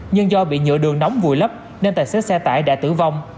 nhưng do bị nhựa đường nóng vùi lấp nên tài xế xe tải đã tử vong